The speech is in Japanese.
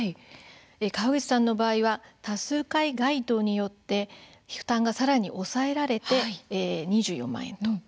川口さんの場合は多数回該当によって負担がさらに抑えられて２４万円。